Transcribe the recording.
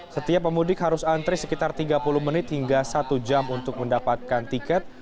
setiap pemudik harus antri sekitar tiga puluh menit hingga satu jam untuk mendapatkan tiket